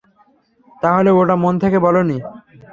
তাহলে ওটা মন থেকে বলোনি?